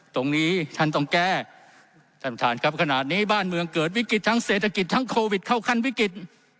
ตรงนี้ท่านต้องแก้ท่านประธานครับขนาดนี้บ้านเมืองเกิดวิกฤตทั้งเศรษฐกิจทั้งโควิดเข้าขั้นวิกฤต